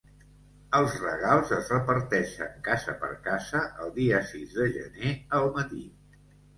Els regals es reparteixen casa per casa el dia sis de gener al matí.